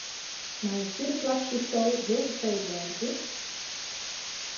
Mei in fjirde plak soesto heel tefreden wêze, tink?